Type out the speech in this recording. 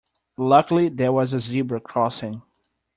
Luckily there was a zebra crossing.